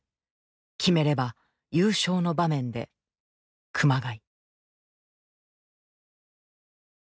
決めれば優勝の場面で熊谷。